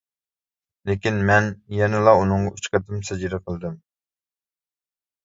لېكىن مەن يەنىلا ئۇنىڭغا ئۈچ قېتىم سەجدە قىلدىم.